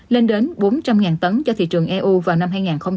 lên đến bốn trăm linh tấn cho thị trường eu vào năm hai nghìn hai mươi